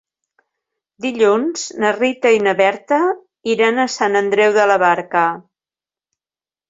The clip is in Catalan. Dilluns na Rita i na Berta iran a Sant Andreu de la Barca.